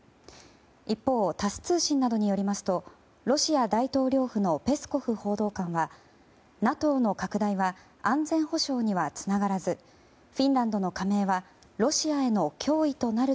一方、タス通信などによりますとロシア大統領府のペスコフ報道官はＮＡＴＯの拡大は安全保障にはつながらずあさってにかけて雨が心配です。